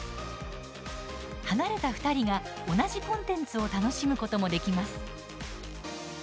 離れた２人が同じコンテンツを楽しむこともできます。